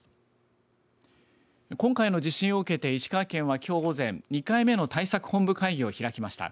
今回の地震を受けて石川県はきょう午前、２回目の対策本部会議を開きました。